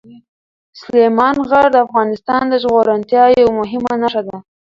سلیمان غر د افغانستان د زرغونتیا یوه مهمه نښه ده.